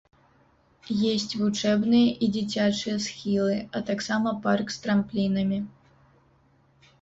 Есць вучэбныя і дзіцячыя схілы, а таксама парк з трамплінамі.